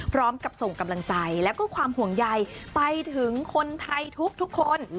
พร้อมกับส่งกำลังใจแล้วก็ความห่วงใยไปถึงคนไทยทุกคน